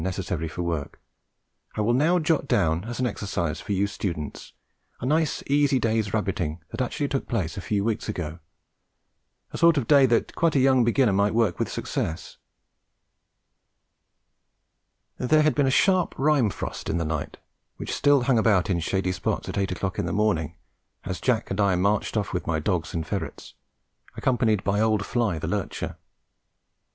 necessary for work, I will now jot down, as an exercise for you students, a nice easy day's rabbiting that actually took place a few weeks ago a sort of day that quite a young beginner might work with success. There had been a sharp rime frost in the night, which still hung about in shady spots at eight o'clock in the morning, as Jack and I marched off with my dogs and ferrets, accompanied by old Fly, the lurcher.